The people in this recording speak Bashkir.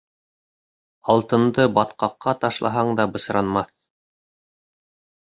Алтынды батҡаҡҡа ташлаһаң да бысранмаҫ.